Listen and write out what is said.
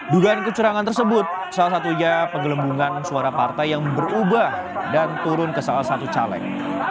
dugaan kecurangan tersebut salah satunya penggelembungan suara partai yang berubah dan turun ke salah satu caleg